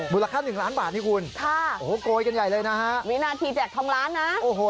บุราคา๑ล้านบาทนี่คุณโอ้โฮโกยกันใหญ่เลยนะฮะโอ้โฮ